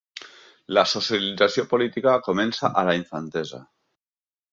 La socialització política comença a la infantesa.